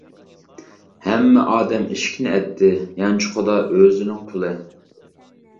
ھەممە ئادەم ئىشىكنى ئەتتى، يانچۇقىدا ئۆزىنىڭ پۇلى.